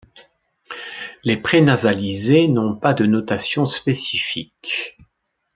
Les prénasalisées n'ont pas de notation spécifique.